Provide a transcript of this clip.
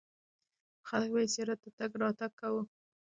خلک به یې زیارت ته تګ کاوه.